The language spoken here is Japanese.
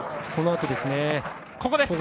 このあとです。